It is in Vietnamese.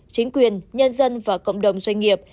chính quyền nhân dân và cộng đồng doanh nghiệp